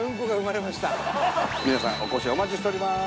皆さんお越しをお待ちしております。